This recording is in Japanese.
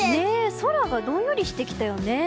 空がどんよりしてきたよね。